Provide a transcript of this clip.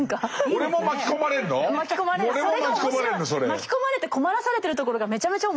巻き込まれて困らされてるところがめちゃめちゃ面白いんですよ。